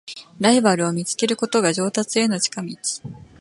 ライバルを見つけることが上達への近道